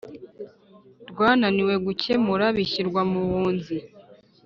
rwananiwe gukemura bishyirwa mu bunzi